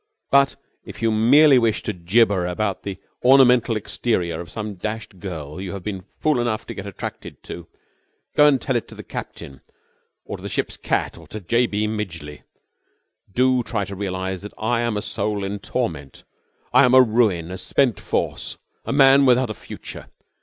But if you merely wish to gibber about the ornamental exterior of some dashed girl you have been fool enough to get attracted by, go and tell it to the captain or the ship's cat or J. B. Midgeley. Do try to realise that I am a soul in torment! I am a ruin, a spent force, a man without a future!